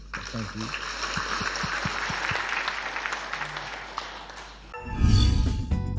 cảm ơn quý vị